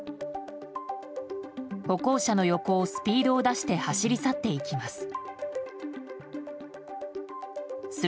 歩行者の横をスピードを出して走り去っていきます。